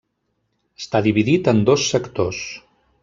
Està dividit en dos sectors.